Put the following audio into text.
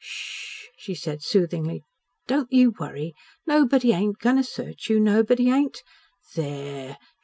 "Sh sh," she said soothingly. "Don't you worry. Nobody ain't goin' to search you. Nobody ain't. There!